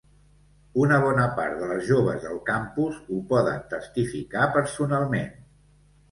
Una bona part de les joves del campus ho poden testificar personalment.